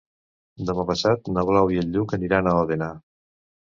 Demà passat na Blau i en Lluc aniran a Òdena.